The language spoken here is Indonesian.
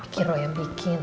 kira yang bikin